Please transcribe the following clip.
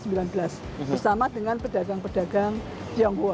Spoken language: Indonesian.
bersama dengan pedagang pedagang tionghoa